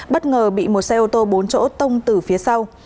bất ngờ bị một xe ô tô bốn chỗ tông từ phía sau